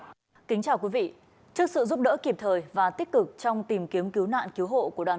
xin kính chào quý vị trước sự giúp đỡ kịp thời và tích cực trong tìm kiếm cứu nạn cứu hộ của đoàn